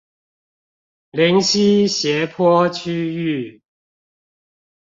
臨溪斜坡區域